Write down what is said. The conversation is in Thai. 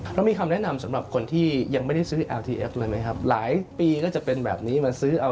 เราก็รู้สึกว่ามันก็ขึ้นมานะ